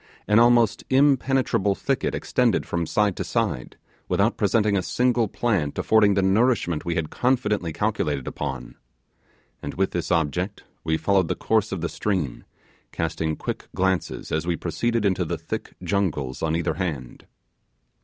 An almost impenetrable thicket extended from side to side, without presenting a single plant affording the nourishment we had confidently calculated upon; and with this object, we followed the course of the stream, casting quick glances as we proceeded into the thick jungles on each hand.